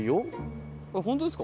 本当ですか？